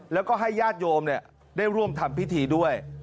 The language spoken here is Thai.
แล้วก็ให้ญาติโยมได้ร่วมทำพิธีด้วย